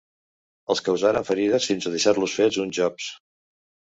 Els causaren ferides fins deixar-los fets uns jobs.